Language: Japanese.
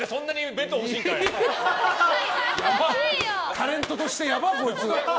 タレントとしてやばっ、こいつ。